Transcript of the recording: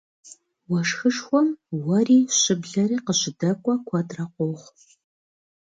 Уэшхышхуэм уэри щыблэри къыщыдэкӏуэ куэдрэ къохъу.